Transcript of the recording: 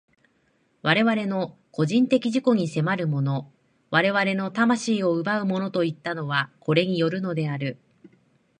我々の個人的自己に迫るもの、我々の魂を奪うものといったのは、これによるのである。